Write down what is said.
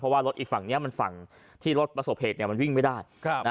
เพราะว่ารถอีกฝั่งนี้มันฝั่งที่รถประสบเหตุมันวิ่งไม่ได้